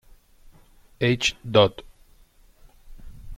H. Dodd.